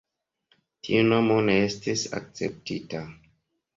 Tiu nomo ne estis akceptita.